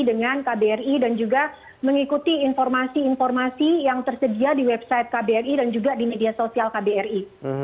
dengan kbri dan juga mengikuti informasi informasi yang tersedia di website kbri dan juga di media sosial kbri